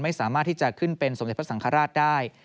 ไม่สามารถที่จะขึ้นเป็นสมเด็จพระสังฆราชได้